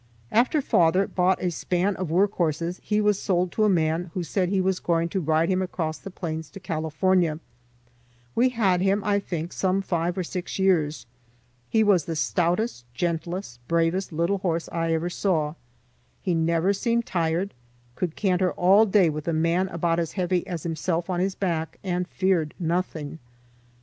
After father bought a span of work horses he was sold to a man who said he was going to ride him across the plains to California. We had him, I think, some five or six years. He was the stoutest, gentlest, bravest little horse I ever saw. He never seemed tired, could canter all day with a man about as heavy as himself on his back, and feared nothing.